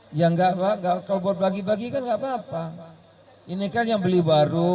hai yang enggak bagal kabut lagi bagi kan enggak papa ini kalian beli baru